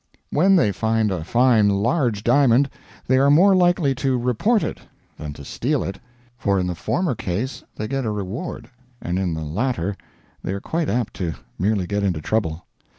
When they find a fine large diamond they are more likely to report it than to steal it, for in the former case they get a reward, and in the latter they are quite apt to merely get into trouble.